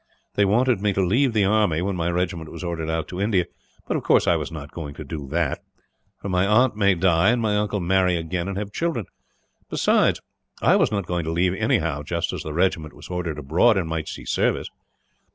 They wanted me to leave the army, when my regiment was ordered out to India; but of course I was not going to do that, for my aunt may die, and my uncle marry again and have children. Besides, I was not going to leave, anyhow, just as the regiment was ordered abroad, and might see service.